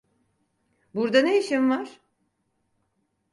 Burda ne işin var?